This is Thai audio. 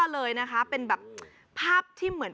สุดยอดน้ำมันเครื่องจากญี่ปุ่น